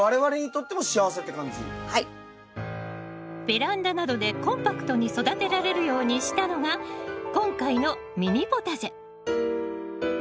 ベランダなどでコンパクトに育てられるようにしたのが今回のミニポタジェ。